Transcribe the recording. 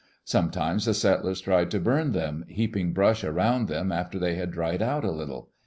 Sometimes the settlers tried to bum them, heaping brush around them after they had dried out a little.